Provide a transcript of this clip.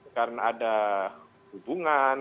karena ada hubungan